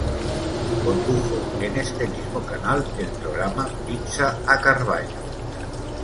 Condujo, en este mismo canal, el programa "Pizza a Carballo".